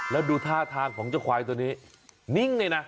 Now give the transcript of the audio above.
แล้วดูท่าทางของเจ้าควายตัวนี้นิ่งเลยนะ